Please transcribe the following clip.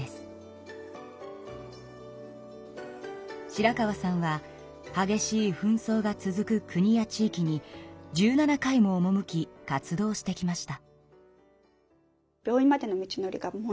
白川さんははげしいふん争が続く国や地いきに１７回もおもむき活動してきました。